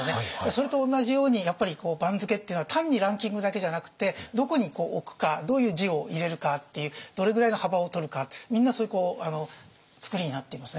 それと同じようにやっぱり番付っていうのは単にランキングだけじゃなくってどこに置くかどういう字を入れるかっていうどれぐらいの幅を取るかみんなそういう作りになっていますね。